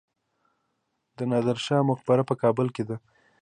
د نادر شاه مقبره په کابل کې ده